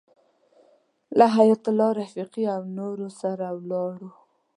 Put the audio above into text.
له حیایت الله رفیقي او نورو سره ولاړو.